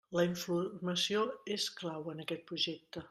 La informació és clau en aquest projecte.